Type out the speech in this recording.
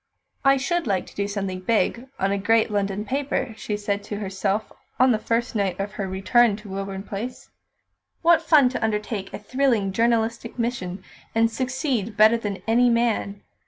"I should like to do something big on a great London paper," she said to herself on the first night of her return to Woburn Place. "What fun to undertake a thrilling journalistic mission, and succeed better than any man!